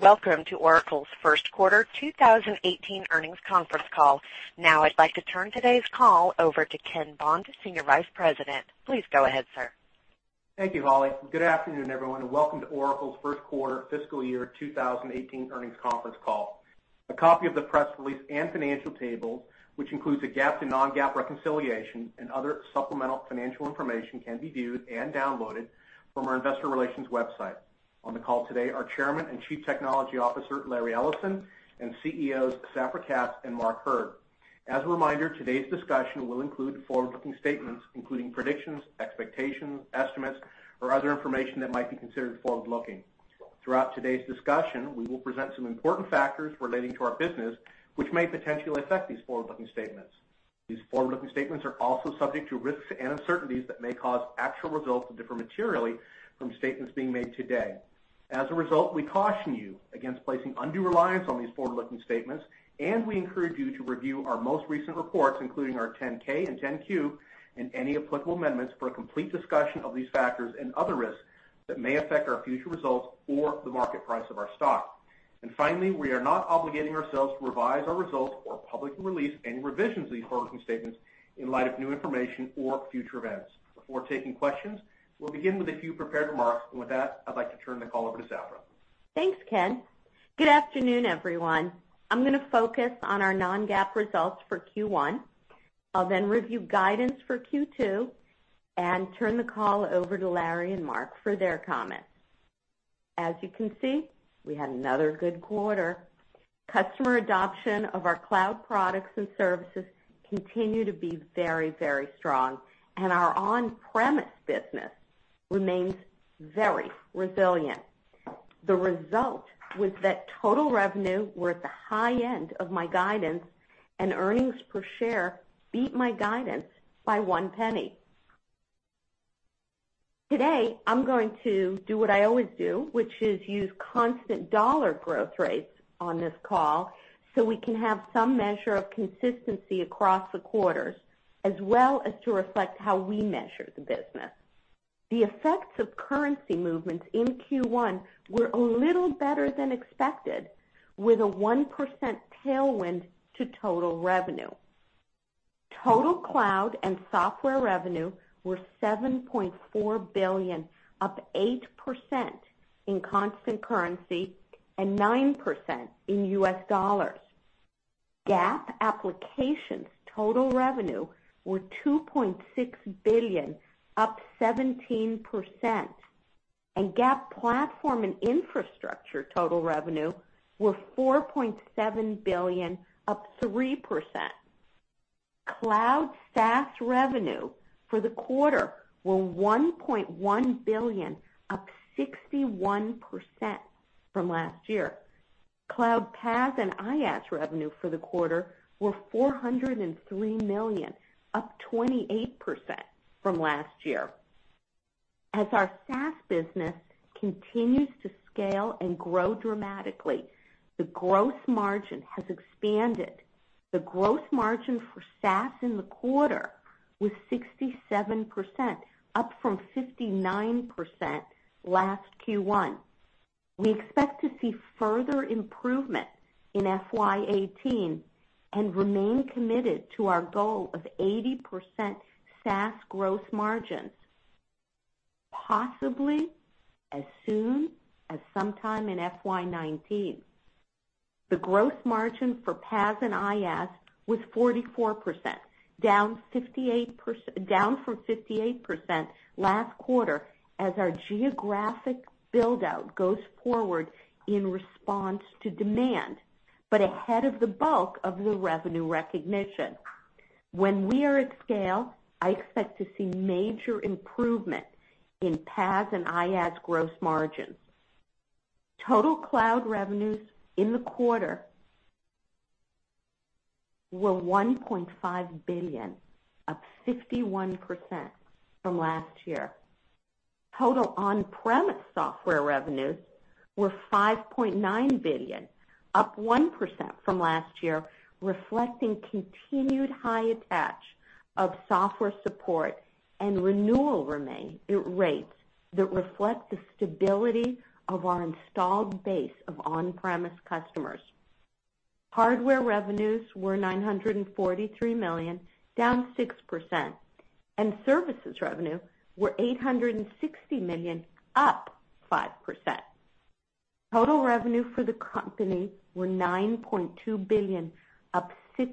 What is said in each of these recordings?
Welcome to Oracle's first quarter 2018 earnings conference call. Now I'd like to turn today's call over to Ken Bond, Senior Vice President. Please go ahead, sir. Thank you, Holly. Good afternoon, everyone, welcome to Oracle's first quarter fiscal year 2018 earnings conference call. A copy of the press release and financial table, which includes a GAAP to non-GAAP reconciliation and other supplemental financial information, can be viewed and downloaded from our investor relations website. On the call today are Chairman and Chief Technology Officer, Larry Ellison, and CEOs, Safra Catz and Mark Hurd. A reminder, today's discussion will include forward-looking statements, including predictions, expectations, estimates, or other information that might be considered forward-looking. Throughout today's discussion, we will present some important factors relating to our business, which may potentially affect these forward-looking statements. These forward-looking statements are also subject to risks and uncertainties that may cause actual results to differ materially from statements being made today. As a result, we caution you against placing undue reliance on these forward-looking statements, and we encourage you to review our most recent reports, including our 10-K and 10-Q, and any applicable amendments for a complete discussion of these factors and other risks that may affect our future results or the market price of our stock. Finally, we are not obligating ourselves to revise our results or publicly release any revisions to these forward-looking statements in light of new information or future events. Before taking questions, we'll begin with a few prepared remarks. With that, I'd like to turn the call over to Safra. Thanks, Ken. Good afternoon, everyone. I'm going to focus on our non-GAAP results for Q1. I'll then review guidance for Q2 and turn the call over to Larry and Mark for their comments. As you can see, we had another good quarter. Customer adoption of our cloud products and services continue to be very, very strong, and our on-premise business remains very resilient. The result was that total revenue were at the high end of my guidance and earnings per share beat my guidance by $0.01. Today, I'm going to do what I always do, which is use constant dollar growth rates on this call so we can have some measure of consistency across the quarters, as well as to reflect how we measure the business. The effects of currency movements in Q1 were a little better than expected, with a 1% tailwind to total revenue. Total cloud and software revenue were $7.4 billion, up 8% in constant currency and 9% in US dollars. GAAP applications total revenue were $2.6 billion, up 17%, and GAAP platform and infrastructure total revenue were $4.7 billion, up 3%. Cloud SaaS revenue for the quarter were $1.1 billion, up 61% from last year. Cloud PaaS and IaaS revenue for the quarter were $403 million, up 28% from last year. As our SaaS business continues to scale and grow dramatically, the growth margin has expanded. The growth margin for SaaS in the quarter was 67%, up from 59% last Q1. We expect to see further improvement in FY 2018 and remain committed to our goal of 80% SaaS growth margins, possibly as soon as sometime in FY 2019. The growth margin for PaaS and IaaS was 44%, down from 58% last quarter as our geographic build-out goes forward in response to demand, but ahead of the bulk of the revenue recognition. When we are at scale, I expect to see major improvement in PaaS and IaaS gross margins. Total cloud revenues in the quarter were $1.5 billion, up 51% from last year. Total on-premise software revenues were $5.9 billion, up 1% from last year, reflecting continued high attach of software support and renewal remain at rates that reflect the stability of our installed base of on-premise customers. Hardware revenues were $943 million, down 6%, and services revenue were $860 million, up 5%. Total revenue for the company were $9.2 billion, up 6%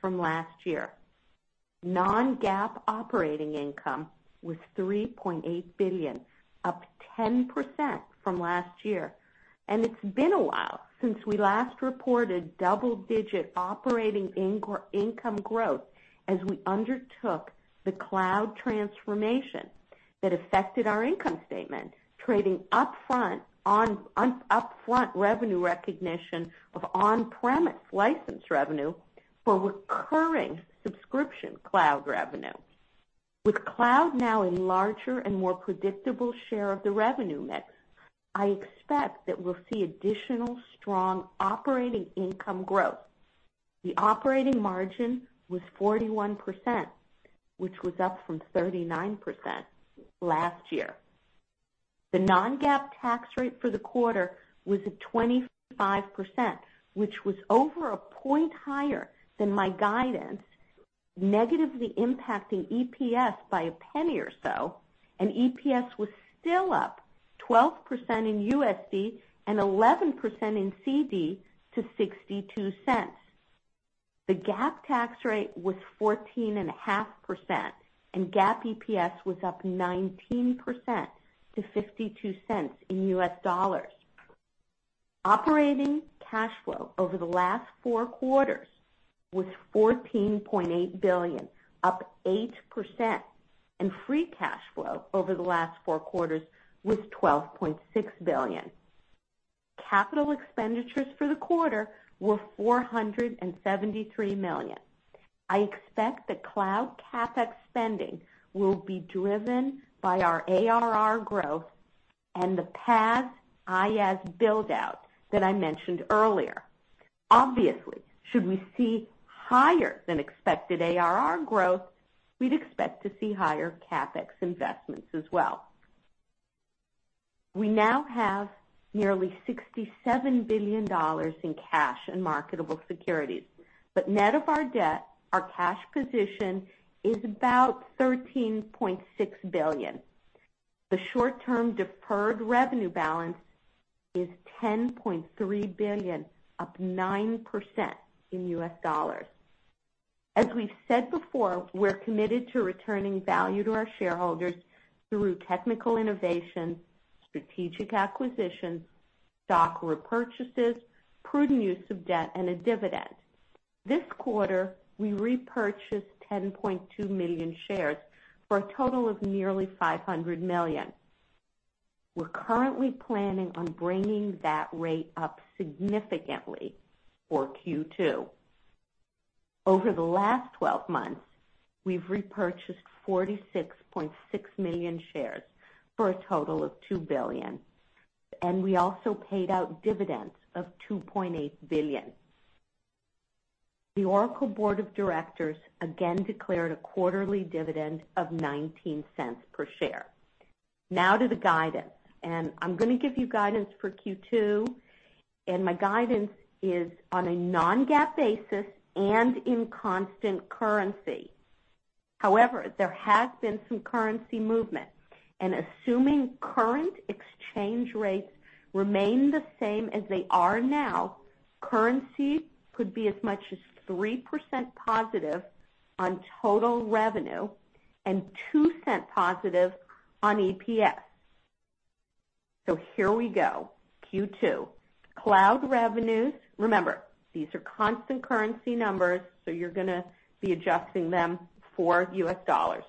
from last year. Non-GAAP operating income was $3.8 billion, up 10% from last year. It's been a while since we last reported double-digit operating income growth as we undertook the cloud transformation that affected our income statement, trading upfront revenue recognition of on-premise license revenue for recurring subscription cloud revenue. With cloud now a larger and more predictable share of the revenue mix, I expect that we'll see additional strong operating income growth The operating margin was 41%, which was up from 39% last year. The non-GAAP tax rate for the quarter was at 25%, which was over a point higher than my guidance, negatively impacting EPS by $0.01 or so. EPS was still up 12% in USD and 11% in CD to $0.62. The GAAP tax rate was 14.5%, and GAAP EPS was up 19% to $0.52 in US dollars. Operating cash flow over the last four quarters was $14.8 billion, up 8%, and free cash flow over the last four quarters was $12.6 billion. Capital expenditures for the quarter were $473 million. I expect that cloud CapEx spending will be driven by our ARR growth and the PaaS, IaaS build-out that I mentioned earlier. Obviously, should we see higher than expected ARR growth, we'd expect to see higher CapEx investments as well. We now have nearly $67 billion in cash and marketable securities, but net of our debt, our cash position is about $13.6 billion. The short-term deferred revenue balance is $10.3 billion, up 9% in US dollars. As we've said before, we're committed to returning value to our shareholders through technical innovation, strategic acquisitions, stock repurchases, prudent use of debt, and a dividend. This quarter, we repurchased 10.2 million shares for a total of nearly $500 million. We're currently planning on bringing that rate up significantly for Q2. Over the last 12 months, we've repurchased 46.6 million shares for a total of $2 billion, and we also paid out dividends of $2.8 billion. The Oracle board of directors again declared a quarterly dividend of $0.19 per share. To the guidance. I'm going to give you guidance for Q2. My guidance is on a non-GAAP basis and in constant currency. However, there has been some currency movement. Assuming current exchange rates remain the same as they are now, currency could be as much as 3% positive on total revenue and $0.02 positive on EPS. Here we go. Q2. Cloud revenues, remember, these are constant currency numbers, so you're going to be adjusting them for US dollars.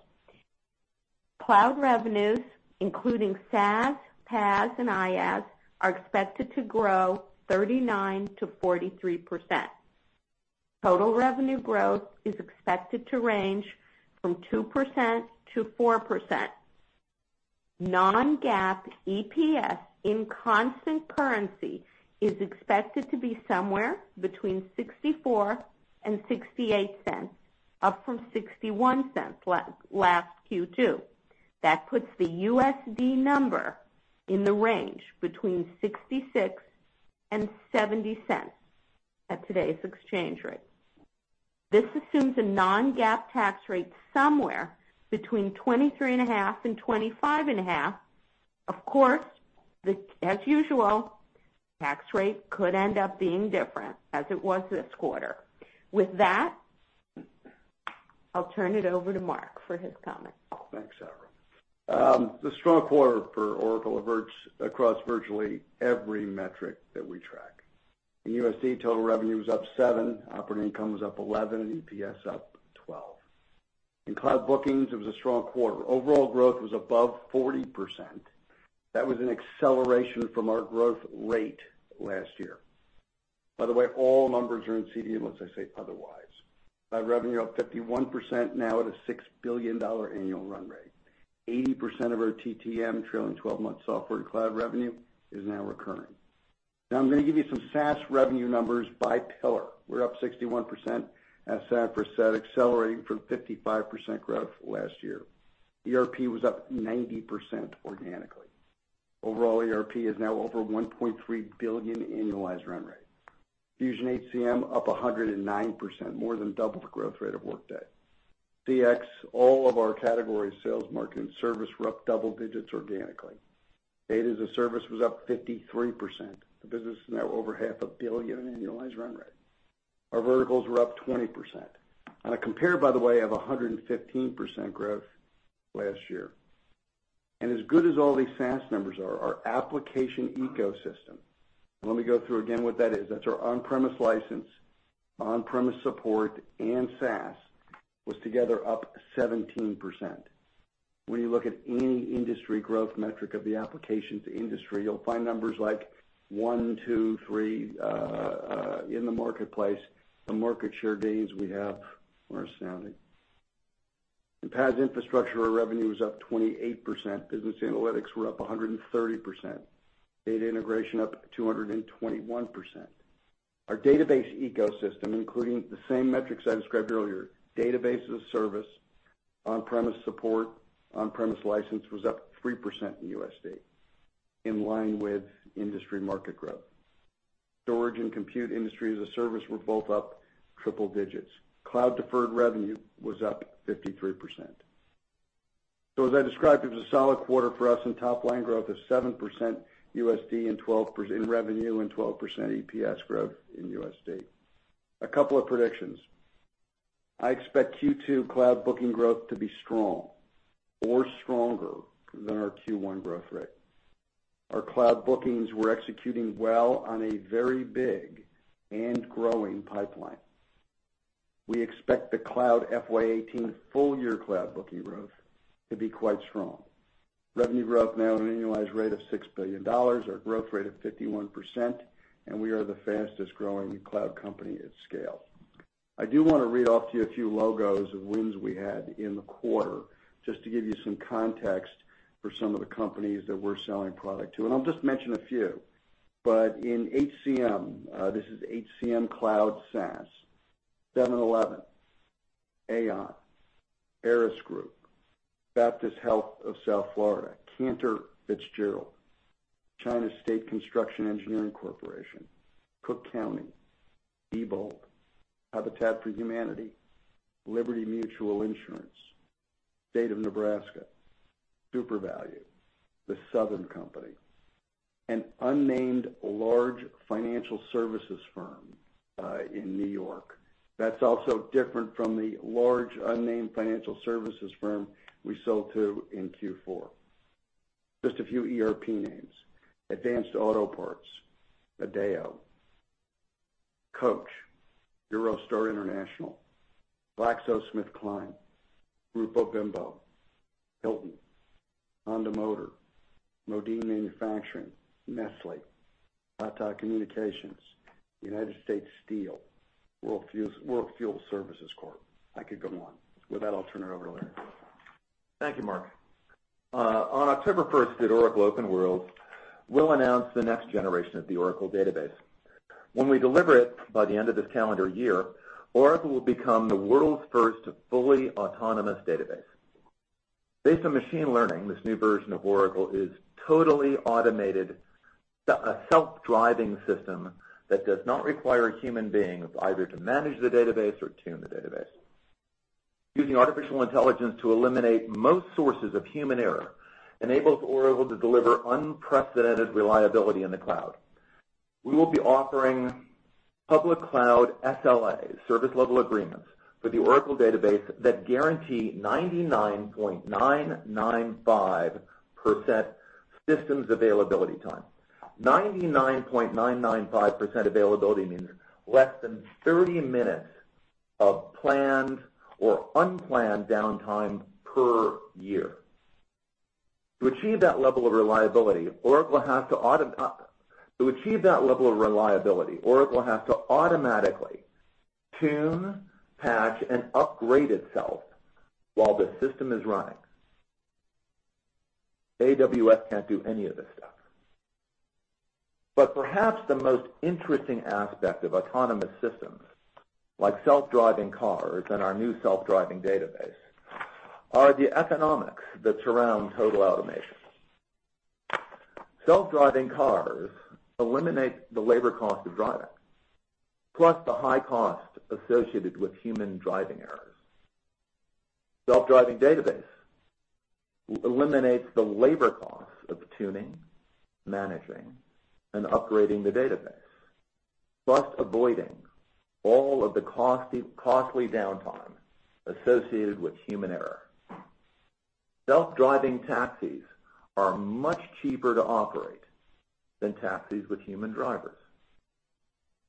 Cloud revenues, including SaaS, PaaS, and IaaS, are expected to grow 39% to 43%. Total revenue growth is expected to range from 2% to 4%. Non-GAAP EPS in constant currency is expected to be somewhere between $0.64 and $0.68, up from $0.61 last Q2. That puts the USD number in the range between $0.66 and $0.70 at today's exchange rate. This assumes a non-GAAP tax rate somewhere between 23.5%-25.5%. Of course, as usual, tax rate could end up being different as it was this quarter. With that, I'll turn it over to Mark for his comments. Thanks, Safra. The strong quarter for Oracle averts across virtually every metric that we track. In USD, total revenue was up 7%, operating income was up 11%, and EPS up 12%. In cloud bookings, it was a strong quarter. Overall growth was above 40%. That was an acceleration from our growth rate last year. By the way, all numbers are in USD unless I say otherwise. Cloud revenue up 51% now at a $6 billion annual run rate. 80% of our TTM, trailing 12-month software to cloud revenue, is now recurring. I'm going to give you some SaaS revenue numbers by pillar. We're up 61%, as Safra said, accelerating from 55% growth last year. ERP was up 90% organically. Overall, ERP is now over $1.3 billion annualized run rate. Fusion HCM up 109%, more than double the growth rate of Workday. CX, all of our categories, sales, marketing, service, were up double digits organically. Data as a Service was up 53%. The business is now over half a billion in annualized run rate. Our verticals were up 20%. On a compare, by the way, of 115% growth last year. As good as all these SaaS numbers are, our application ecosystem, let me go through again what that is. That's our on-premise license, on-premise support, and SaaS, was together up 17%. When you look at any industry growth metric of the applications industry, you'll find numbers like one, two, three, in the marketplace, the market share gains we have are astounding. In PaaS infrastructure, our revenue was up 28%, business analytics were up 130%, data integration up 221%. Our database ecosystem, including the same metrics I described earlier, database as a Service, on-premise support, on-premise license was up 3% in USD, in line with industry market growth. Storage and compute industry as a Service were both up triple digits. Cloud deferred revenue was up 53%. As I described, it was a solid quarter for us in top line growth of 7% USD in revenue and 12% EPS growth in USD. A couple of predictions. I expect Q2 cloud booking growth to be strong or stronger than our Q1 growth rate. Our cloud bookings were executing well on a very big and growing pipeline. We expect the cloud FY 2018 full-year cloud booking growth to be quite strong. Revenue growth now at an annualized rate of $6 billion, our growth rate of 51%, and we are the fastest growing cloud company at scale. I do want to read off to you a few logos of wins we had in the quarter, just to give you some context for some of the companies that we're selling product to, and I'll just mention a few. In HCM, this is HCM Cloud SaaS, 7-Eleven, Aon, Aras Group, Baptist Health South Florida, Cantor Fitzgerald, China State Construction Engineering Corporation, Cook County, Diebold, Habitat for Humanity, Liberty Mutual Insurance, State of Nebraska, SuperValu, The Southern Company, an unnamed large financial services firm in New York. That's also different from the large unnamed financial services firm we sold to in Q4. Just a few ERP names. Advance Auto Parts, Adeo, Coach, Eurostar International, GlaxoSmithKline, Grupo Bimbo, Hilton, Honda Motor, Modine Manufacturing, Nestlé, Tata Communications, United States Steel, World Fuel Services Corp. I could go on. With that, I'll turn it over to Larry. Thank you, Mark. On October 1st at Oracle OpenWorld, we'll announce the next generation of the Oracle Database. When we deliver it by the end of this calendar year, Oracle will become the world's first fully autonomous database. Based on machine learning, this new version of Oracle is totally automated, a self-driving system that does not require a human being either to manage the database or tune the database. Using artificial intelligence to eliminate most sources of human error enables Oracle to deliver unprecedented reliability in the cloud. We will be offering public cloud SLAs, service level agreements, with the Oracle Database that guarantee 99.995% systems availability time. 99.995% availability means less than 30 minutes of planned or unplanned downtime per year. To achieve that level of reliability, Oracle has to automatically tune, patch, and upgrade itself while the system is running. AWS can't do any of this stuff. Perhaps the most interesting aspect of autonomous systems, like self-driving cars and our new self-driving database, are the economics that surround total automation. Self-driving cars eliminate the labor cost of driving, plus the high cost associated with human driving errors. Self-driving database eliminates the labor cost of tuning, managing, and upgrading the database, plus avoiding all of the costly downtime associated with human error. Self-driving taxis are much cheaper to operate than taxis with human drivers.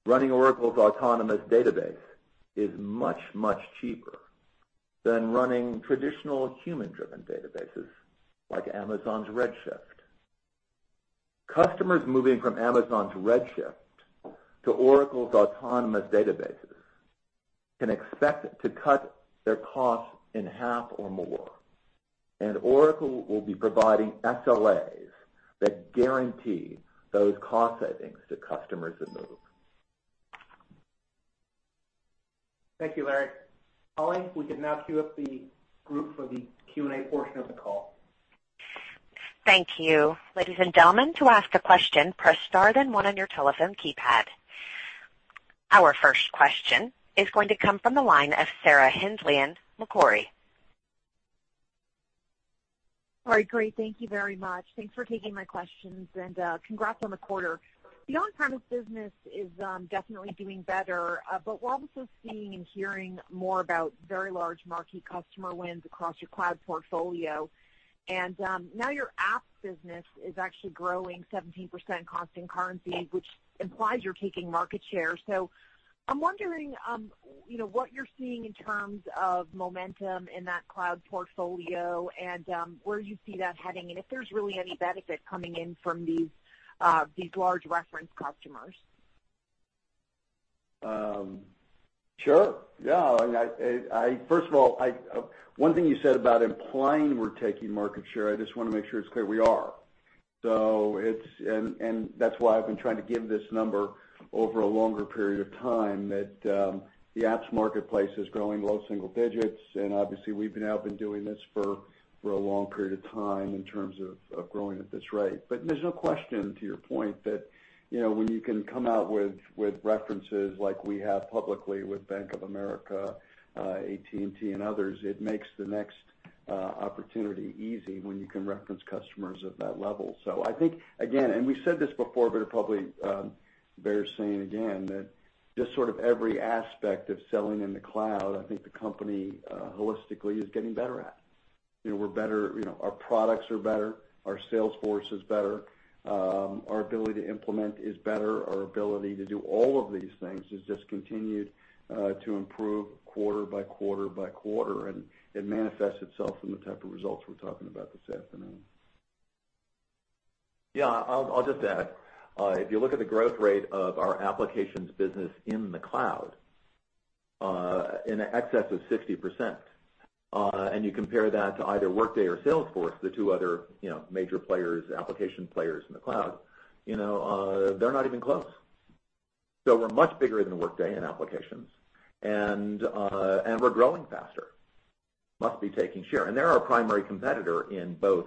Running Oracle's Autonomous Database is much, much cheaper than running traditional human-driven databases like Amazon Redshift. Customers moving from Amazon Redshift to Oracle's Autonomous Database can expect to cut their costs in half or more, and Oracle will be providing SLAs that guarantee those cost savings to customers that move. Thank you, Larry. Holly, we can now queue up the group for the Q&A portion of the call. Thank you. Ladies and gentlemen, to ask a question, press star then one on your telephone keypad. Our first question is going to come from the line of Sarah Hindlian, Macquarie. Great. Thank you very much. Thanks for taking my questions, and congrats on the quarter. The on-premise business is definitely doing better, we're also seeing and hearing more about very large marquee customer wins across your cloud portfolio. Now your app business is actually growing 17% constant currency, which implies you're taking market share. I'm wondering what you're seeing in terms of momentum in that cloud portfolio and where you see that heading, and if there's really any benefit coming in from these large reference customers? Sure. Yeah. First of all, one thing you said about implying we're taking market share, I just want to make sure it's clear we are. That's why I've been trying to give this number over a longer period of time, that the apps marketplace is growing low single digits, and obviously we've now been doing this for a long period of time in terms of growing at this rate. There's no question, to your point, that when you can come out with references like we have publicly with Bank of America, AT&T, and others, it makes the next opportunity easy when you can reference customers at that level. I think, again, and we said this before, but it probably bears saying again, that just sort of every aspect of selling in the cloud, I think the company holistically is getting better at. Our products are better, our sales force is better, our ability to implement is better, our ability to do all of these things has just continued to improve quarter by quarter by quarter, and it manifests itself in the type of results we're talking about this afternoon. Yeah. I'll just add, if you look at the growth rate of our applications business in the cloud, in excess of 60%, and you compare that to either Workday or Salesforce, the two other major application players in the cloud, they're not even close. We're much bigger than Workday in applications, and we're growing faster. Must be taking share. They're our primary competitor in both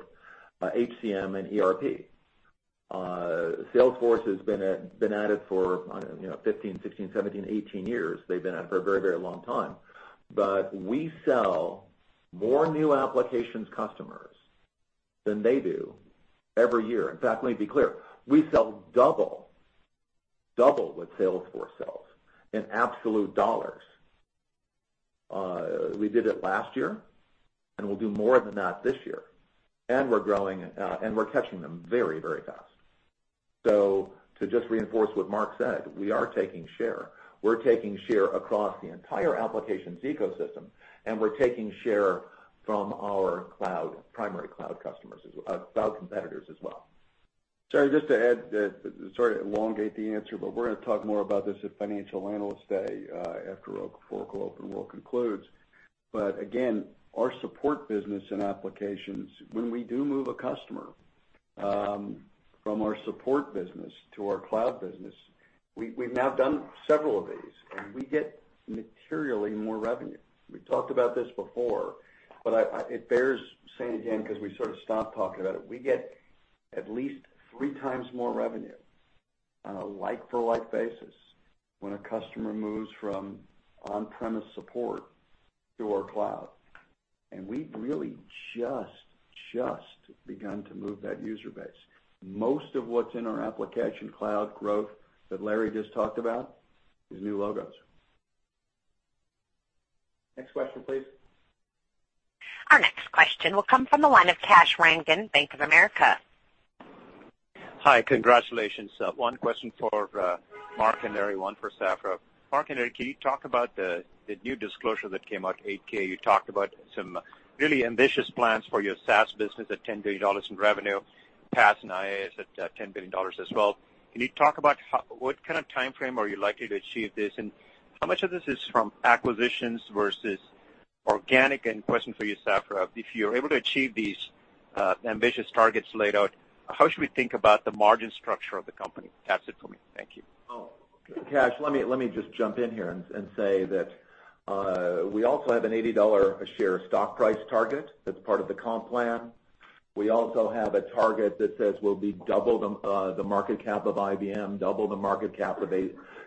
HCM and ERP. Salesforce has been at it for, I don't know, 15, 16, 17, 18 years. They've been at it for a very long time. We sell more new applications customers than they do every year. In fact, let me be clear, we sell double what Salesforce sells in absolute dollars. We did it last year, and we'll do more than that this year. We're growing, and we're catching them very fast. To just reinforce what Mark said, we are taking share. We're taking share across the entire applications ecosystem, and we're taking share from our primary cloud competitors as well. Just to add, to elongate the answer, we're going to talk more about this at Financial Analyst Day after Oracle OpenWorld concludes. Again, our support business and applications, when we do move a customer from our support business to our cloud business, we've now done several of these, and we get materially more revenue. We talked about this before, but it bears saying again because we stopped talking about it. We get at least three times more revenue on a like-for-like basis when a customer moves from on-premise support to our cloud. We've really just begun to move that user base. Most of what's in our application cloud growth that Larry just talked about is new logos. Next question, please. Our next question will come from the line of Kash Rangan, Bank of America. Hi. Congratulations. One question for Mark and Larry, one for Safra. Mark and Larry, can you talk about the new disclosure that came out, 8-K? You talked about some really ambitious plans for your SaaS business at $10 billion in revenue. PaaS and IaaS at $10 billion as well. Can you talk about what kind of timeframe are you likely to achieve this, and how much of this is from acquisitions versus organic? Question for you, Safra, if you're able to achieve these ambitious targets laid out, how should we think about the margin structure of the company? That's it for me. Thank you. Oh, Kash, let me just jump in here and say that we also have an $80 a share stock price target that's part of the comp plan. We also have a target that says we'll be double the market cap of IBM, double the market cap of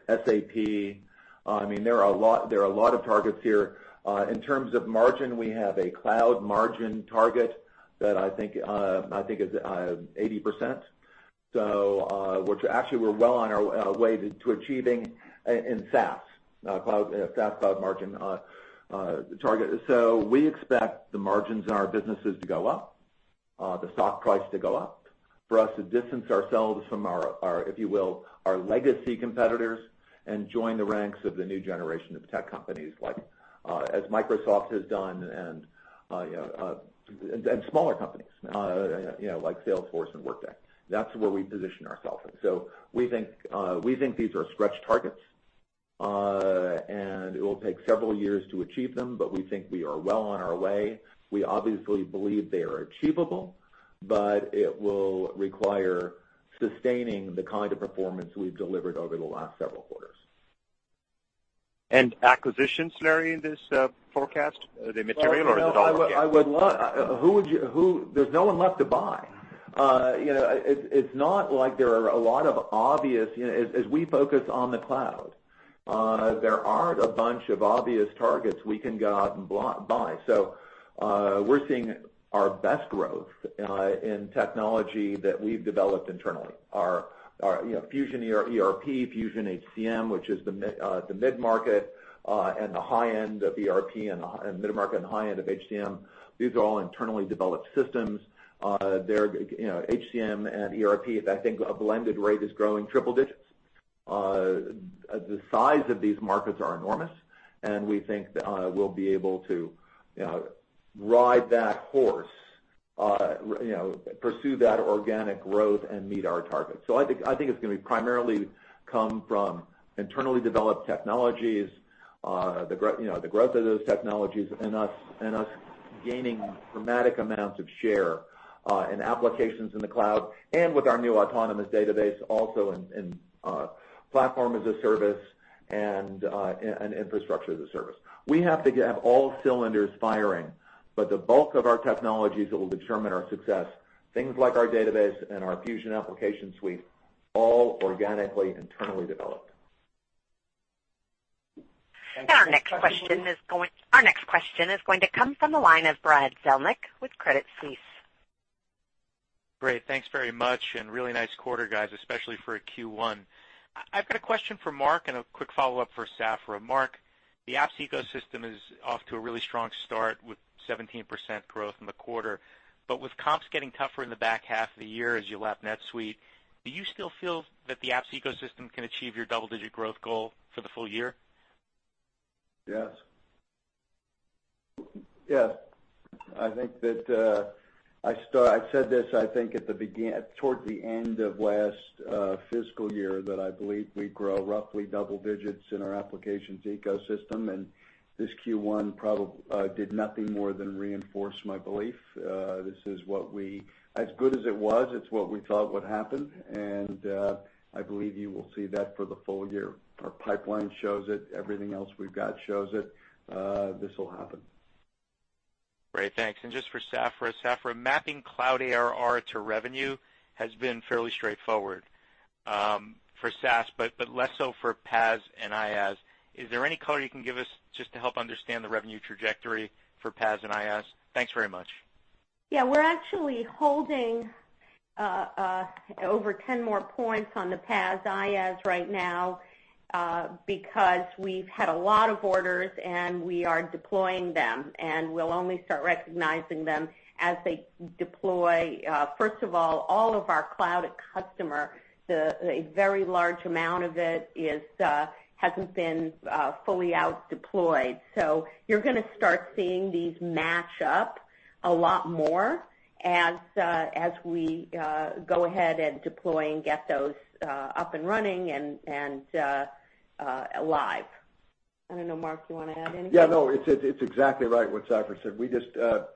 SAP. There are a lot of targets here. In terms of margin, we have a cloud margin target that I think is 80%. Which actually we're well on our way to achieving in SaaS, cloud margin target. We expect the margins in our businesses to go up, the stock price to go up, for us to distance ourselves from our, if you will, our legacy competitors and join the ranks of the new generation of tech companies like, as Microsoft has done and smaller companies like Salesforce and Workday. That's where we position ourselves in. We think these are stretch targets, and it will take several years to achieve them, but we think we are well on our way. We obviously believe they are achievable, but it will require sustaining the kind of performance we've delivered over the last several quarters. Acquisition scenario in this forecast, are they material or is it all organic? There's no one left to buy. As we focus on the cloud, there aren't a bunch of obvious targets we can go out and buy. We're seeing our best growth in technology that we've developed internally. Our Fusion ERP, Fusion HCM, which is the mid-market and the high end of ERP, and mid-market and high end of HCM. These are all internally developed systems. HCM and ERP, at I think a blended rate, is growing triple digits. The size of these markets are enormous, and we think that we'll be able to ride that horse To pursue that organic growth and meet our targets. I think it's going to be primarily come from internally developed technologies, the growth of those technologies, and us gaining dramatic amounts of share in applications in the cloud and with our new Oracle Autonomous Database also in Platform as a Service and Infrastructure as a Service. We have to have all cylinders firing, but the bulk of our technologies that will determine our success, things like our Oracle Database and our Oracle Fusion Applications suite, all organically internally developed. Thank you. Our next question is going to come from the line of Brad Zelnick with Credit Suisse. Great. Thanks very much and really nice quarter, guys, especially for a Q1. I've got a question for Mark and a quick follow-up for Safra. Mark, the apps ecosystem is off to a really strong start with 17% growth in the quarter. With comps getting tougher in the back half of the year as you lap NetSuite, do you still feel that the apps ecosystem can achieve your double-digit growth goal for the full year? Yes. I said this, I think, toward the end of last fiscal year, that I believe we'd grow roughly double digits in our applications ecosystem, and this Q1 did nothing more than reinforce my belief. As good as it was, it's what we thought would happen, and I believe you will see that for the full year. Our pipeline shows it. Everything else we've got shows it. This will happen. Great. Thanks. Just for Safra. Safra, mapping cloud ARR to revenue has been fairly straightforward for SaaS, but less so for PaaS and IaaS. Is there any color you can give us just to help understand the revenue trajectory for PaaS and IaaS? Thanks very much. We're actually holding over 10 more points on the PaaS/IaaS right now because we've had a lot of orders, and we are deploying them, and we'll only start recognizing them as they deploy. First of all of our cloud customer, a very large amount of it hasn't been fully out deployed. You're going to start seeing these match up a lot more as we go ahead and deploy and get those up and running and live. I don't know, Mark, do you want to add anything? It's exactly right what Safra said.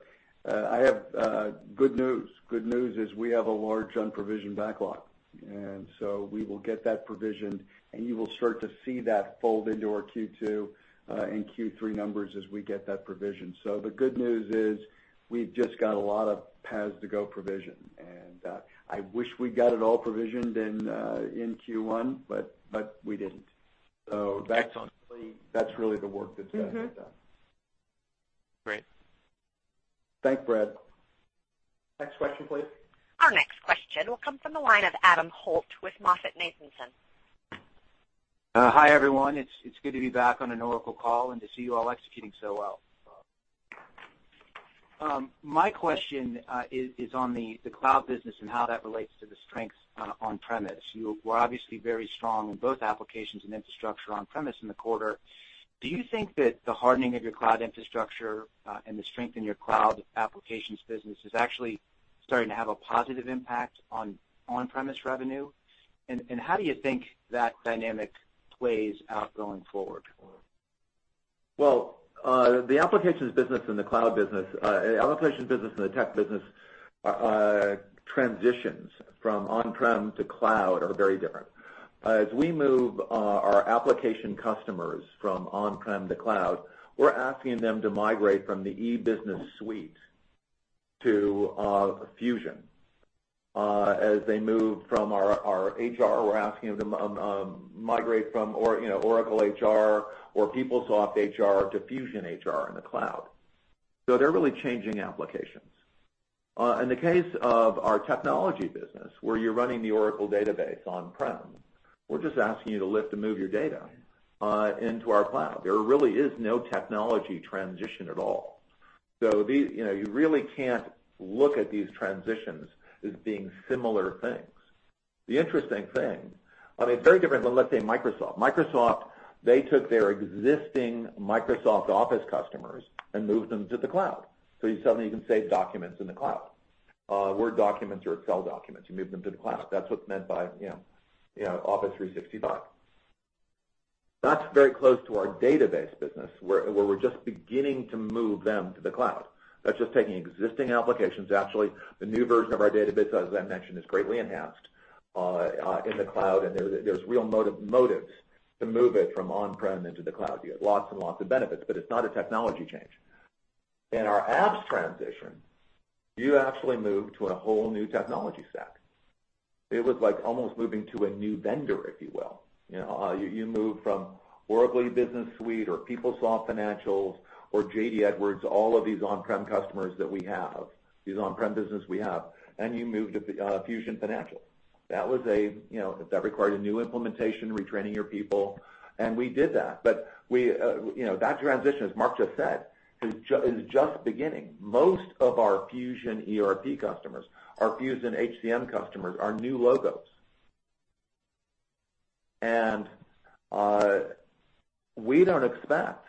I have good news. Good news is we have a large unprovisioned backlog, and we will get that provisioned, and you will start to see that fold into our Q2 and Q3 numbers as we get that provisioned. The good news is we've just got a lot of PaaS to go provisioned, and I wish we got it all provisioned in Q1, we didn't. Excellent. That's really the work that's ahead of us. Great. Thanks, Brad. Next question, please. Our next question will come from the line of Adam Holt with MoffettNathanson. Hi, everyone. It's good to be back on an Oracle call and to see you all executing so well. My question is on the cloud business and how that relates to the strengths on premise. You were obviously very strong in both applications and infrastructure on premise in the quarter. Do you think that the hardening of your cloud infrastructure and the strength in your cloud applications business is actually starting to have a positive impact on on-premise revenue? How do you think that dynamic plays out going forward? Well, the applications business and the tech business transitions from on-prem to cloud are very different. As we move our application customers from on-prem to cloud, we're asking them to migrate from the Oracle E-Business Suite to Fusion. As they move from our HR, we're asking them to migrate from Oracle HR or PeopleSoft HR to Fusion HR in the cloud. They're really changing applications. In the case of our technology business, where you're running the Oracle Database on-prem, we're just asking you to lift and move your data into our cloud. There really is no technology transition at all. You really can't look at these transitions as being similar things. The interesting thing, very different than, let's say, Microsoft. Microsoft, they took their existing Microsoft Office customers and moved them to the cloud. You suddenly can save documents in the cloud. Word documents or Excel documents, you move them to the cloud. That's what's meant by Office 365. That's very close to our database business, where we're just beginning to move them to the cloud. That's just taking existing applications. Actually, the new version of our database, as I mentioned, is greatly enhanced in the cloud, and there's real motives to move it from on-prem into the cloud. You get lots and lots of benefits, but it's not a technology change. In our apps transition, you actually move to a whole new technology stack. It was like almost moving to a new vendor, if you will. You move from Oracle E-Business Suite or PeopleSoft Financials or JD Edwards, all of these on-prem customers that we have, these on-prem business we have, and you move to Fusion Financials. That required a new implementation, retraining your people, and we did that. That transition, as Mark just said, is just beginning. Most of our Fusion ERP customers, our Fusion HCM customers, are new logos. We don't expect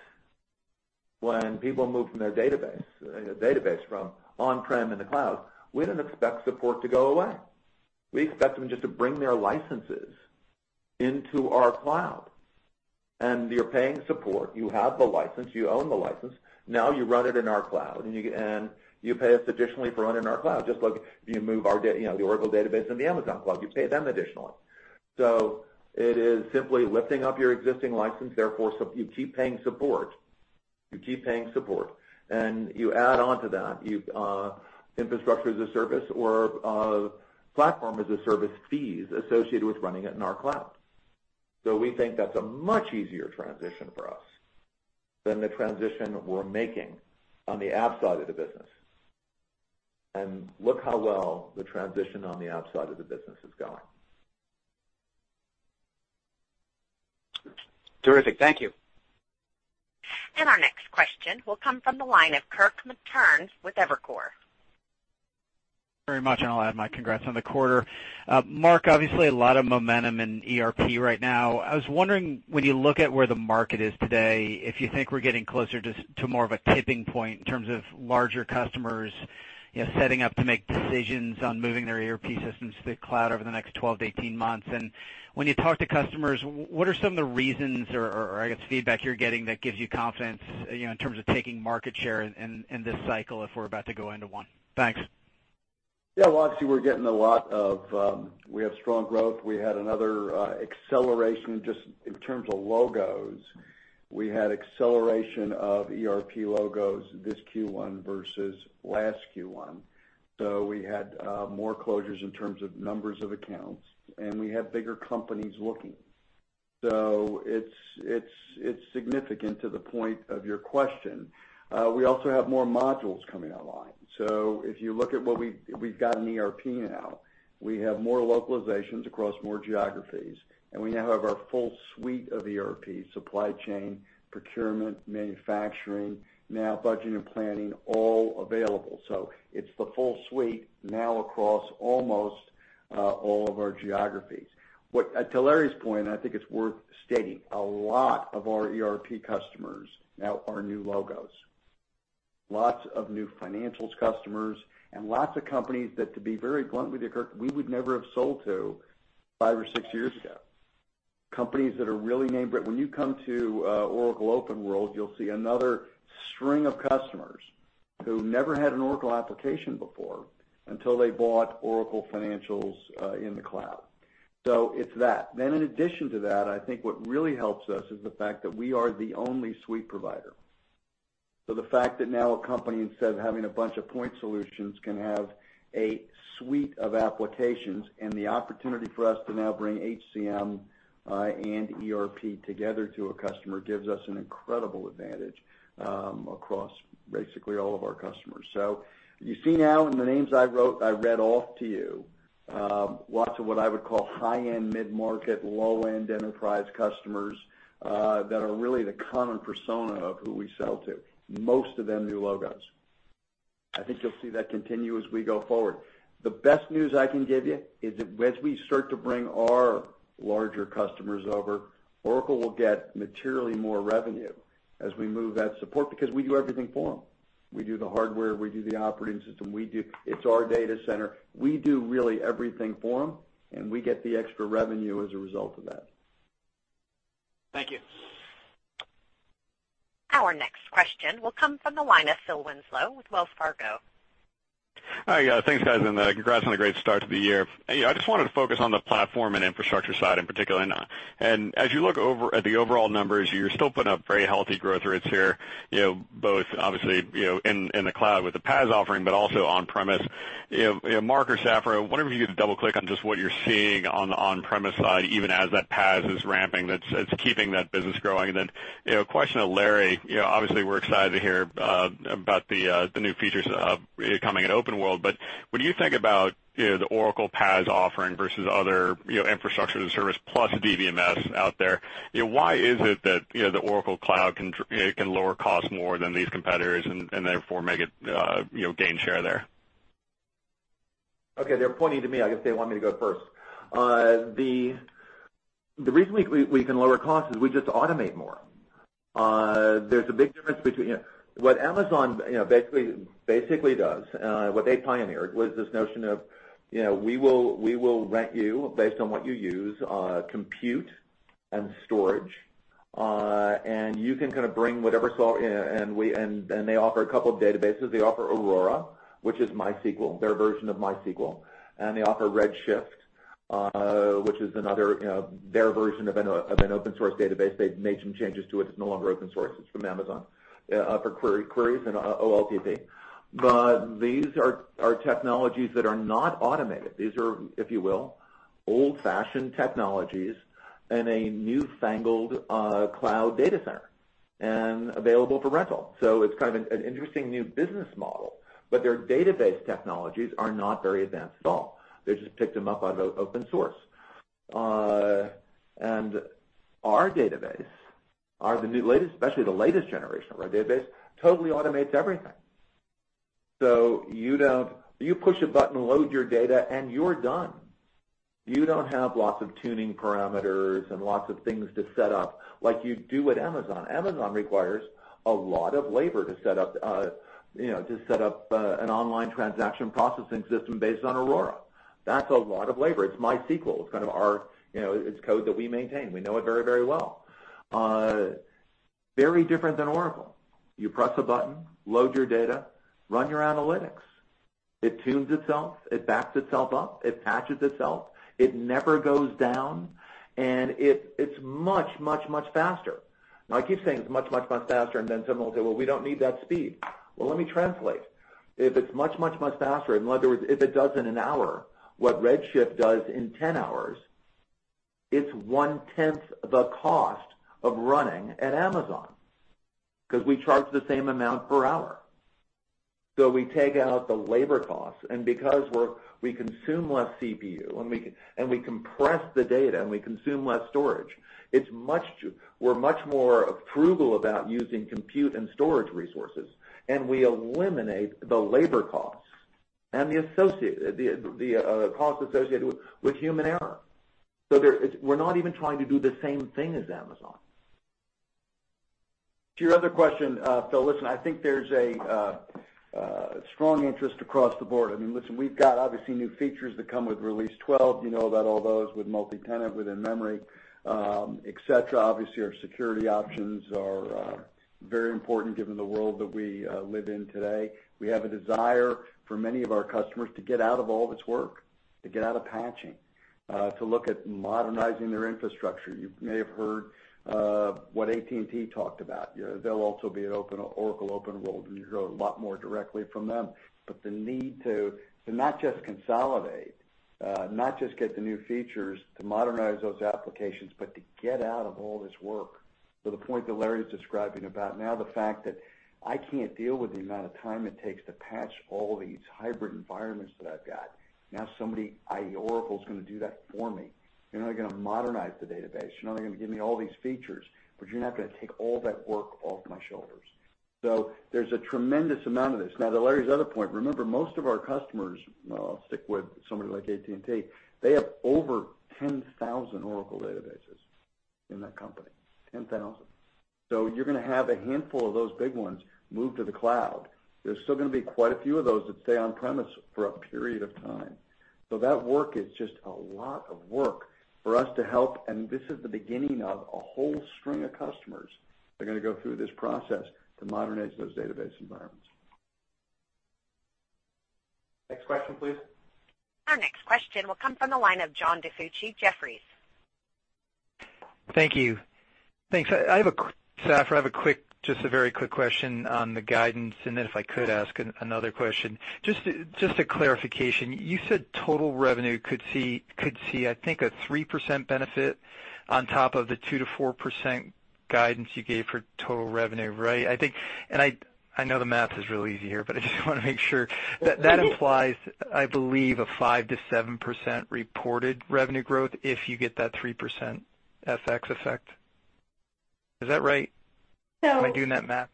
when people move from their database from on-prem in the cloud, we don't expect support to go away. We expect them just to bring their licenses into our cloud. You're paying support. You have the license. You own the license. Now you run it in our cloud, and you pay us additionally for running our cloud, just like if you move the Oracle Database into the Amazon cloud, you pay them additionally. It is simply lifting up your existing license, therefore, you keep paying support. You keep paying support, and you add onto that, Infrastructure as a Service or Platform as a Service fees associated with running it in our cloud. We think that's a much easier transition for us than the transition we're making on the app side of the business. Look how well the transition on the app side of the business is going. Terrific. Thank you. Our next question will come from the line of Kirk Materne with Evercore. Very much. I'll add my congrats on the quarter. Mark, obviously a lot of momentum in ERP right now. I was wondering, when you look at where the market is today, if you think we're getting closer to more of a tipping point in terms of larger customers setting up to make decisions on moving their ERP systems to the cloud over the next 12 to 18 months. When you talk to customers, what are some of the reasons or, I guess, feedback you're getting that gives you confidence in terms of taking market share in this cycle, if we're about to go into one? Thanks. Yeah. Well, obviously, we have strong growth. We had another acceleration just in terms of logos. We had acceleration of ERP logos this Q1 versus last Q1. We had more closures in terms of numbers of accounts, and we have bigger companies looking. It's significant to the point of your question. We also have more modules coming online. If you look at what we've got in ERP now, we have more localizations across more geographies, and we now have our full suite of ERP supply chain, procurement, manufacturing, now budgeting and planning, all available. It's the full suite now across almost all of our geographies. To Larry's point, I think it's worth stating, a lot of our ERP customers now are new logos. Lots of new Financials customers and lots of companies that, to be very blunt with you, Kirk, we would never have sold to five or six years ago. Companies that are really name brand. When you come to Oracle OpenWorld, you'll see another string of customers who never had an Oracle application before until they bought Oracle Financials in the cloud. It's that. In addition to that, I think what really helps us is the fact that we are the only suite provider. The fact that now a company, instead of having a bunch of point solutions, can have a suite of applications, and the opportunity for us to now bring HCM and ERP together to a customer gives us an incredible advantage across basically all of our customers. You see now in the names I read off to you, lots of what I would call high-end, mid-market, low-end enterprise customers that are really the common persona of who we sell to, most of them new logos. I think you'll see that continue as we go forward. The best news I can give you is that as we start to bring our larger customers over, Oracle will get materially more revenue as we move that support because we do everything for them. We do the hardware, we do the operating system. It's our data center. We do really everything for them, and we get the extra revenue as a result of that. Thank you. Our next question will come from the line of Phil Winslow with Wells Fargo. Hi. Thanks, guys, and congrats on a great start to the year. I just wanted to focus on the platform and infrastructure side in particular. As you look at the overall numbers, you're still putting up very healthy growth rates here, both obviously in the cloud with the PaaS offering, but also on-premise. Mark or Safra, one of you to double-click on just what you're seeing on the on-premise side, even as that PaaS is ramping, that's keeping that business growing. Question to Larry, obviously, we're excited to hear about the new features coming at Oracle OpenWorld, but when you think about the Oracle PaaS offering versus other infrastructure as a service plus DBMS out there, why is it that the Oracle Cloud can lower cost more than these competitors and therefore gain share there? Okay, they're pointing to me. I guess they want me to go first. The reason we can lower cost is we just automate more. What Amazon basically does, what they pioneered was this notion of, we will rent you based on what you use, compute and storage, and you can kind of bring whatever. They offer a couple of databases. They offer Amazon Aurora, which is MySQL, their version of MySQL, and they offer Amazon Redshift, which is their version of an open source database. They've made some changes to it. It's no longer open source. It's from Amazon for queries and OLTP. These are technologies that are not automated. These are, if you will, old-fashioned technologies in a new-fangled cloud data center and available for rental. It's kind of an interesting new business model, but their database technologies are not very advanced at all. They just picked them up out of open source. Our database, especially the latest generation of our database, totally automates everything. You push a button, load your data, and you're done. You don't have lots of tuning parameters and lots of things to set up like you do with Amazon. Amazon requires a lot of labor to set up an online transaction processing system based on Amazon Aurora. That's a lot of labor. It's MySQL. It's code that we maintain. We know it very well. Very different than Oracle. You press a button, load your data, run your analytics. It tunes itself, it backs itself up, it patches itself. It never goes down, and it's much faster. I keep saying it's much faster, and then someone will say, "Well, we don't need that speed." Let me translate. If it's much faster, in other words, if it does in an hour what Amazon Redshift does in 10 hours, it's 1/10th the cost of running at Amazon because we charge the same amount per hour. We take out the labor cost, and because we consume less CPU, and we compress the data, and we consume less storage, we're much more frugal about using compute and storage resources, and we eliminate the labor costs and the costs associated with human error. We're not even trying to do the same thing as Amazon. To your other question, Phil, listen, I think there's a strong interest across the board. We've got, obviously, new features that come with Release 12. You know about all those with multitenant, In-Memory, et cetera. Obviously, our security options are very important given the world that we live in today. We have a desire for many of our customers to get out of all this work, to get out of patching, to look at modernizing their infrastructure. You may have heard what AT&T talked about. They'll also be at Oracle OpenWorld, and you'll hear a lot more directly from them. The need to not just consolidate, not just get the new features to modernize those applications, but to get out of all this work. To the point that Larry's describing about now the fact that I can't deal with the amount of time it takes to patch all these hybrid environments that I've got. Now somebody, i.e., Oracle, is going to do that for me. You're now going to modernize the database. You're now going to give me all these features, but you're now going to take all that work off my shoulders. There's a tremendous amount of this. Now to Larry's other point, remember, most of our customers, I'll stick with somebody like AT&T, they have over 10,000 Oracle databases in that company, 10,000. You're going to have a handful of those big ones move to the cloud. There's still going to be quite a few of those that stay on-premise for a period of time. That work is just a lot of work for us to help, and this is the beginning of a whole string of customers that are going to go through this process to modernize those database environments. Next question, please. Our next question will come from the line of John DiFucci, Jefferies. Thank you. Thanks. Safra, I have just a very quick question on the guidance, and then if I could ask another question. Just a clarification, you said total revenue could see, I think, a 3% benefit on top of the 2%-4% guidance you gave for total revenue, right? I know the math is real easy here, but I just want to make sure. That implies, I believe, a 5%-7% reported revenue growth if you get that 3% FX effect. Is that right? So- Am I doing that math?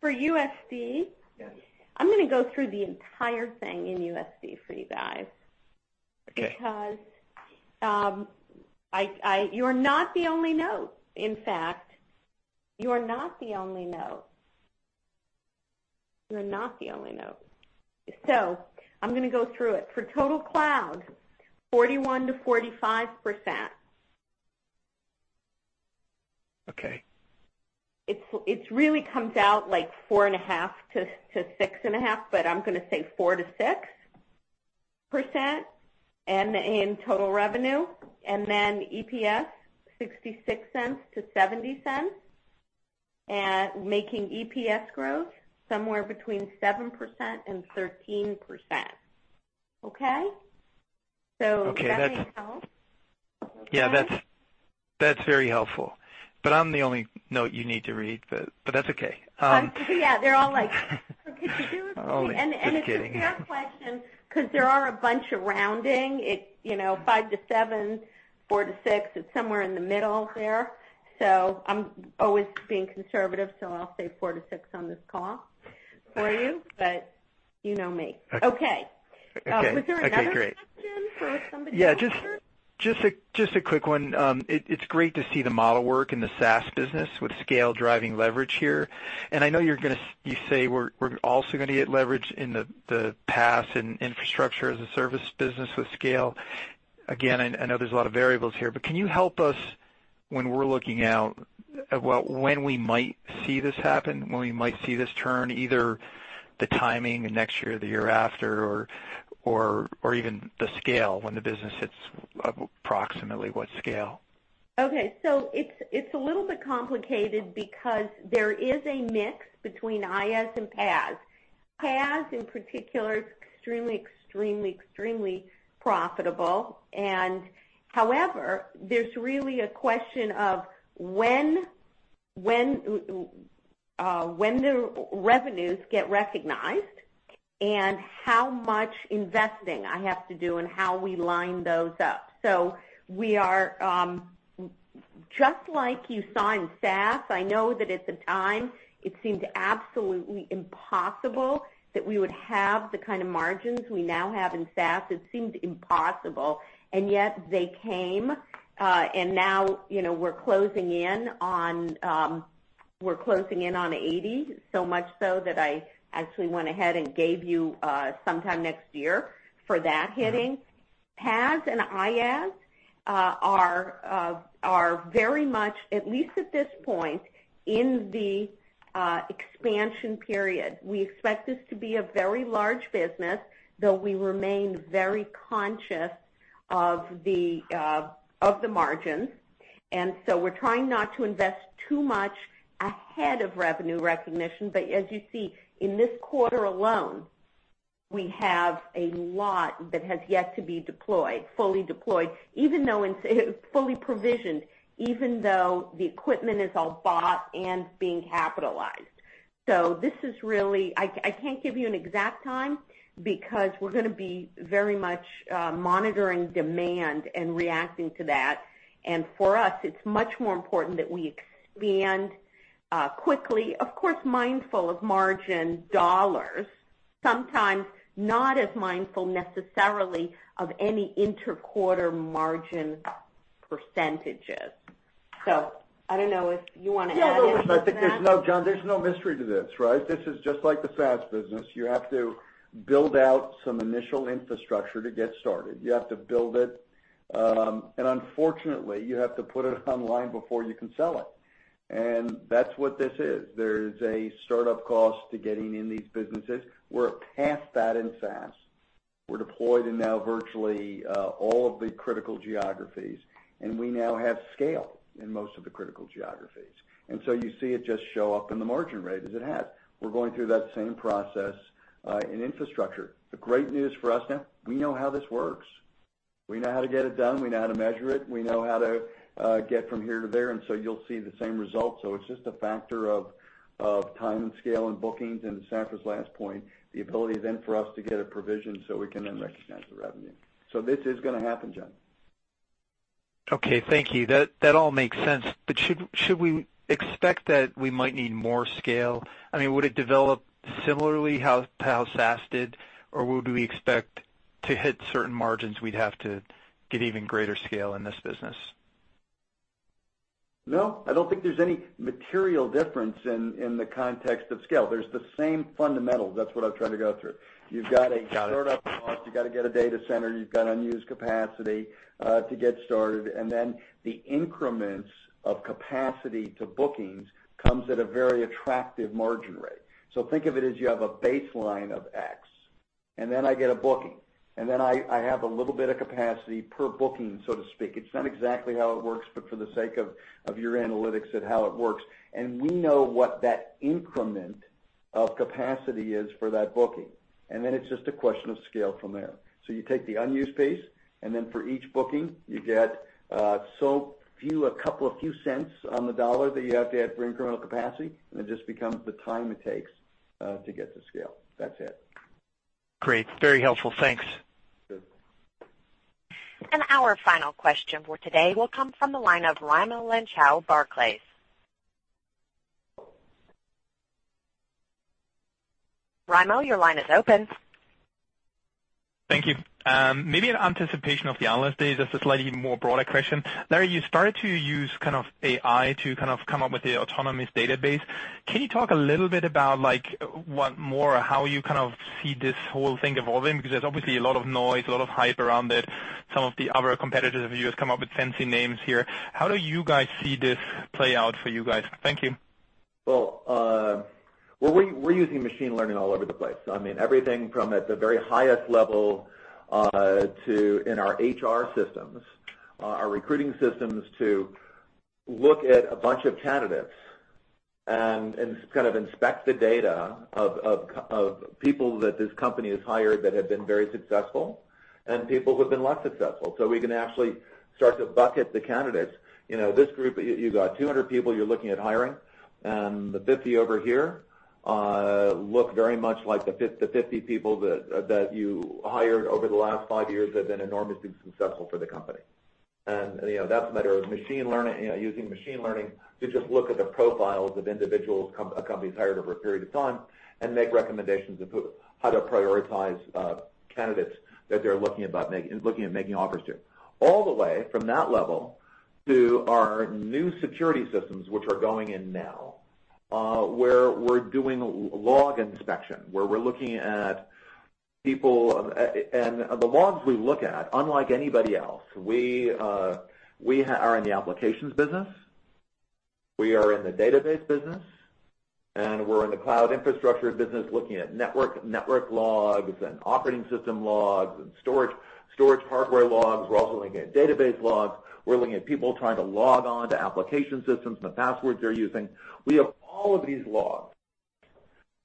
For USD? Yes. I'm going to go through the entire thing in USD for you guys. Okay. You're not the only note. In fact, you're not the only note. You're not the only note. I'm going to go through it. For total cloud, 41%-45%. Okay. It really comes out like 4.5%-6.5%, I'm going to say 4%-6% in total revenue. EPS $0.66-$0.70, making EPS growth somewhere between 7%-13%. Okay? Okay. Does that help? Yeah, that's very helpful. I'm the only note you need to read, but that's okay. Yeah, they're all like, "Okay, did you hear what she Only just kidding. It's a fair question because there are a bunch of rounding, 5 to 7, 4 to 6, it's somewhere in the middle there. I'm always being conservative, so I'll say 4 to 6 on this call for you, but you know me. Okay. Okay. Okay, great. Was there another question for somebody else here? Yeah, just a quick one. It's great to see the model work in the SaaS business with scale driving leverage here. I know you say we're also going to get leverage in the PaaS and Infrastructure as a Service business with scale. Again, I know there's a lot of variables here, can you help us when we're looking out, when we might see this happen, when we might see this turn, either the timing next year or the year after, or even the scale, when the business hits approximately what scale? Okay. It's a little bit complicated because there is a mix between IaaS and PaaS. PaaS, in particular, is extremely profitable. However, there's really a question of when the revenues get recognized. How much investing I have to do and how we line those up. We are, just like you saw in SaaS, I know that at the time it seemed absolutely impossible that we would have the kind of margins we now have in SaaS. It seemed impossible, and yet they came. Now, we're closing in on 80, so much so that I actually went ahead and gave you sometime next year for that hitting. PaaS and IaaS are very much, at least at this point, in the expansion period. We expect this to be a very large business, though we remain very conscious of the margins, we're trying not to invest too much ahead of revenue recognition. As you see, in this quarter alone, we have a lot that has yet to be deployed, fully deployed, even though it's fully provisioned, even though the equipment is all bought and being capitalized. This is really, I can't give you an exact time because we're going to be very much monitoring demand and reacting to that. For us, it's much more important that we expand quickly, of course, mindful of margin dollars, sometimes not as mindful necessarily of any inter-quarter margin percentages. I don't know if you want to add anything to that. I think there's no, John, there's no mystery to this, right? This is just like the SaaS business. You have to build out some initial infrastructure to get started. You have to build it. Unfortunately, you have to put it online before you can sell it. That's what this is. There's a startup cost to getting in these businesses. We're past that in SaaS. We're deployed in now virtually all of the critical geographies, and we now have scale in most of the critical geographies. You see it just show up in the margin rate as it has. We're going through that same process, in infrastructure. The great news for us now, we know how this works. We know how to get it done. We know how to measure it. We know how to get from here to there, you'll see the same result. It's just a factor of time and scale and bookings and Safra's last point, the ability then for us to get a provision so we can then recognize the revenue. This is going to happen, John. Okay. Thank you. That all makes sense. Should we expect that we might need more scale? Would it develop similarly how SaaS did? Or would we expect to hit certain margins we'd have to get even greater scale in this business? No, I don't think there's any material difference in the context of scale. There's the same fundamentals. That's what I'm trying to go through. You've got a startup cost. You've got to get a data center. You've got unused capacity to get started. Then the increments of capacity to bookings comes at a very attractive margin rate. Think of it as you have a baseline of X, then I get a booking, then I have a little bit of capacity per booking, so to speak. It's not exactly how it works, but for the sake of your analytics at how it works. We know what that increment of capacity is for that booking. Then it's just a question of scale from there. You take the unused space, then for each booking, you get so few, a couple of cents on the dollar that you have to add for incremental capacity, it just becomes the time it takes to get to scale. That's it. Great. Very helpful. Thanks. Good. Our final question for today will come from the line of Raimo Lenschow, Barclays. Raimo, your line is open. Thank you. Maybe in anticipation of the analyst day, just a slightly more broader question. Larry, you started to use kind of AI to kind of come up with the autonomous database. Can you talk a little bit about like what more, how you kind of see this whole thing evolving? There's obviously a lot of noise, a lot of hype around it. Some of the other competitors of yours come up with fancy names here. How do you guys see this play out for you guys? Thank you. Well, we're using machine learning all over the place. Everything from at the very highest level in our HR systems, our recruiting systems to look at a bunch of candidates and kind of inspect the data of people that this company has hired that have been very successful and people who've been less successful. We can actually start to bucket the candidates. This group, you got 200 people you're looking at hiring, and the 50 over here look very much like the 50 people that you hired over the last five years that have been enormously successful for the company. That's a matter of using machine learning to just look at the profiles of individuals a company's hired over a period of time and make recommendations of how to prioritize candidates that they're looking at making offers to. All the way from that level to our new security systems, which are going in now, where we're doing log inspection, where we're looking at people. The logs we look at, unlike anybody else, we are in the applications business, we are in the database business, and we're in the cloud infrastructure business looking at network logs and operating system logs and storage hardware logs. We're also looking at database logs. We're looking at people trying to log on to application systems and the passwords they're using. We have all of these logs,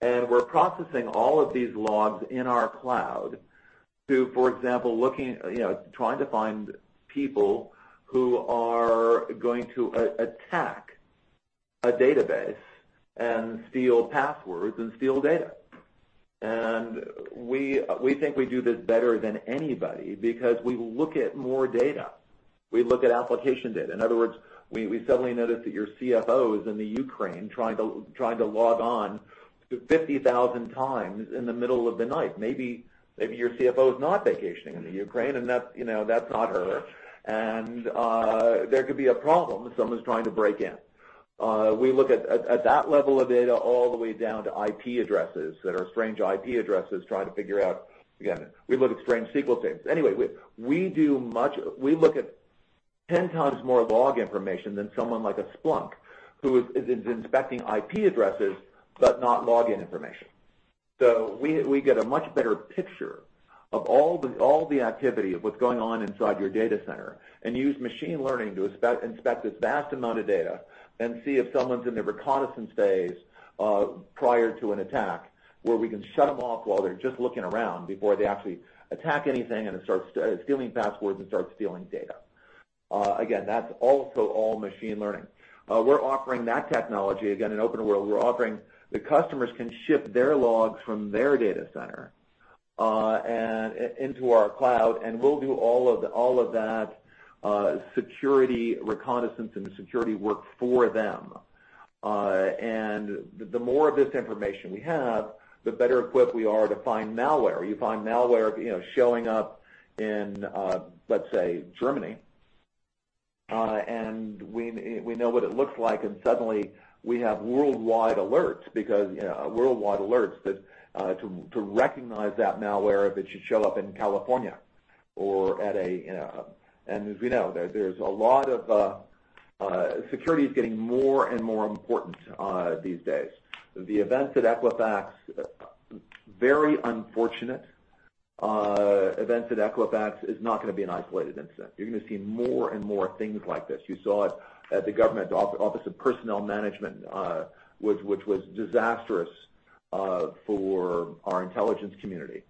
and we're processing all of these logs in our cloud to, for example, trying to find people who are going to attack. A database and steal passwords and steal data. We think we do this better than anybody because we look at more data. We look at application data. In other words, we suddenly notice that your CFO is in the Ukraine trying to log on 50,000 times in the middle of the night. Maybe your CFO is not vacationing in the Ukraine, and that's not her. There could be a problem if someone's trying to break in. We look at that level of data all the way down to IP addresses that are strange IP addresses, trying to figure out. Again, we look at strange SQL things. We look at 10 times more log information than someone like a Splunk, who is inspecting IP addresses, but not login information. We get a much better picture of all the activity of what's going on inside your data center and use machine learning to inspect this vast amount of data and see if someone's in the reconnaissance phase, prior to an attack, where we can shut them off while they're just looking around before they actually attack anything, and it starts stealing passwords and starts stealing data. Again, that's also all machine learning. We're offering that technology again in OpenWorld. The customers can ship their logs from their data center into our cloud, and we'll do all of that security reconnaissance and the security work for them. The more of this information we have, the better equipped we are to find malware. You find malware showing up in, let's say, Germany, and we know what it looks like, and suddenly we have worldwide alerts to recognize that malware if it should show up in California. As we know, security is getting more and more important these days. The events at Equifax. Very unfortunate. Events at Equifax is not going to be an isolated incident. You're going to see more and more things like this. You saw it at the government Office of Personnel Management, which was disastrous for our intelligence community.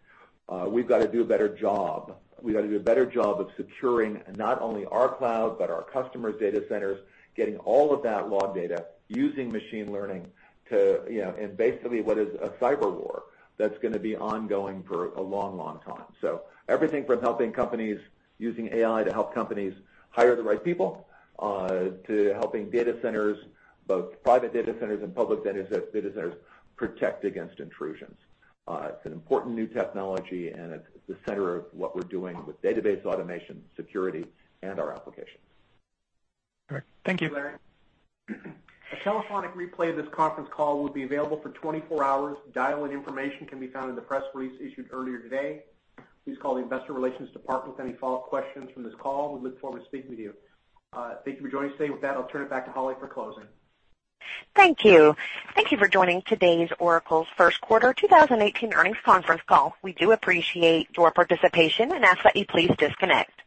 We've got to do a better job. We've got to do a better job of securing not only our cloud, but our customers' data centers, getting all of that log data, using machine learning in basically what is a cyber war that's going to be ongoing for a long time. Everything from using AI to help companies hire the right people, to helping data centers, both private data centers and public data centers, protect against intrusions. It's an important new technology, and it's the center of what we're doing with database automation, security, and our applications. All right. Thank you. A telephonic replay of this conference call will be available for 24 hours. Dial-in information can be found in the press release issued earlier today. Please call the investor relations department with any follow-up questions from this call. We look forward to speaking with you. Thank you for joining us today. With that, I'll turn it back to Holly for closing. Thank you. Thank you for joining today's Oracle's first quarter 2018 earnings conference call. We do appreciate your participation and ask that you please disconnect.